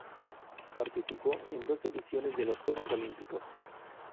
Participó en dos ediciones de los Juegos Olímpicos.